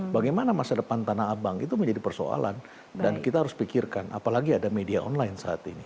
bagaimana masa depan tanah abang itu menjadi persoalan dan kita harus pikirkan apalagi ada media online saat ini